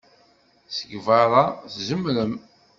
Seg beṛṛa, tzemrem.